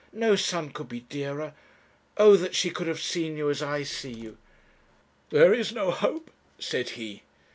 No son could be dearer. Oh, that she could have seen you as I see you!' 'There is no hope,' said he.